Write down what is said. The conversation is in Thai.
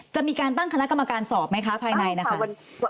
จะมีการตั้งคณะกรรมการสอบไหมคะภายในนะคะ